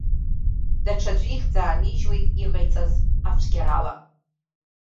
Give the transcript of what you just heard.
Даҽаӡәы ихьӡ аанижьуеит иҟаиҵаз ацәгьарала.